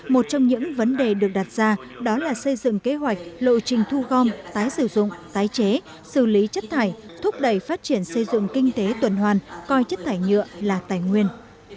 một trong những vấn đề được đặt ra đó là xây dựng kế hoạch lộ trình thu gom tái sử dụng tái chế xử lý chất thải thúc đẩy phát triển xây dựng kinh tế tuần hoàn coi chất thải nhựa là tài nguyên